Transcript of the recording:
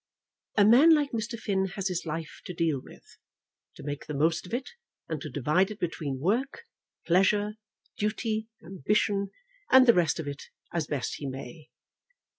"A man like Mr. Finn has his life to deal with, to make the most of it, and to divide it between work, pleasure, duty, ambition, and the rest of it as best he may.